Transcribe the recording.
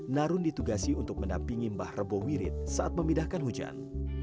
narun ditugasi untuk mendampingi mbah rebo wirit saat memindahkan hujan